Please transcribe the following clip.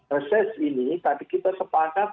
reses ini tapi kita sepakat